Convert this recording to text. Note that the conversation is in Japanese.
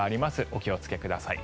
お気をつけください。